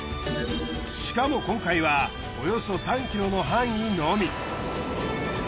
しかも今回はおよそ３ｋｍの範囲のみ。